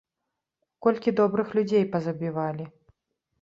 Колькі добрых людзей пазабівалі!